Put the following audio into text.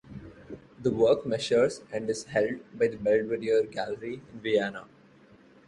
The work measures and is held by the Belvedere Gallery in Vienna.